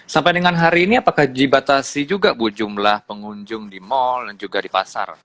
sampai dengan hari ini apakah dibatasi juga bu jumlah pengunjung di mal dan juga di pasar